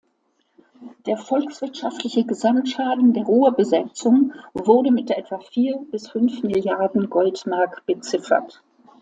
Der volkswirtschaftliche Gesamtschaden der Ruhrbesetzung wurde mit etwa vier bis fünf Milliarden Goldmark beziffert.